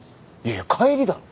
いや帰りだろ。